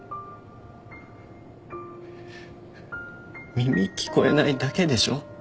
耳聞こえないだけでしょ？